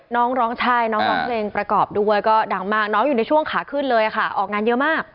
น้องร้องใช่น้องร้องเพลงประกอบด้วยก็ดังมากน้องอยู่ในช่วงขาขึ้นเลยค่ะออกงานเยอะมาก